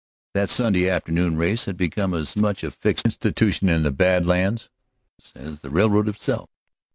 That Sunday afternoon race had become as much a fixed institution in the Bad Lands as the railroad itself.